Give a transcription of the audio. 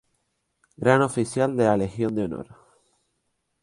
Gran Oficial de la Legión de honor.